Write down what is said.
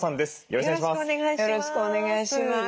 よろしくお願いします。